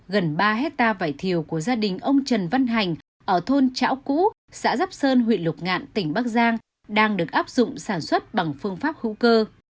gần ba hectare vải thiều của gia đình ông trần văn hành ở thôn trão cũ xã giáp sơn huyện lục ngạn tỉnh bắc giang đang được áp dụng sản xuất bằng phương pháp hữu cơ